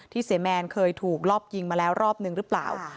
เสียแมนเคยถูกรอบยิงมาแล้วรอบนึงหรือเปล่า